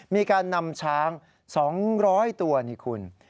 มีการนำช้าง๒๐๐ตัวนี่คุณ